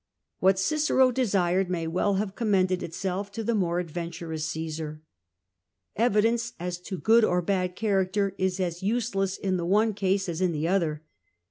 What Cicero desired may well have com mended itself to the more adventurous Ca3sar. Evidence as to good or bad character is as useless in the one case as in the other.